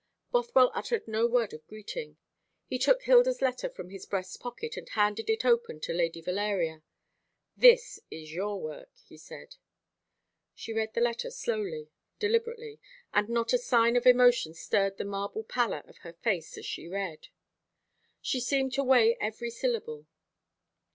Bothwell uttered no word of greeting. He took Hilda's letter from his breast pocket, and handed it open to Lady Valeria. "This is your work," he said. She read the letter slowly, deliberately, and not a sign of emotion stirred the marble pallor of her face as she read. She seemed to weigh every syllable.